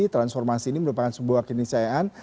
transformasi ini merupakan sebuah kenisayaan